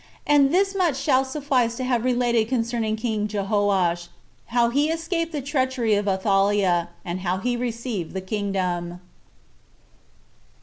And thus much shall suffice to have related concerning king Jehoash, how he escaped the treachery of Athaliah, and how he received the kingdom.